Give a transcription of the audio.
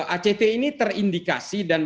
act ini terindikasi dan